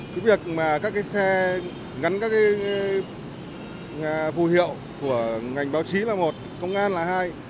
cái việc mà các cái xe gắn các cái vụ hiệu của ngành báo chí là một công an là hai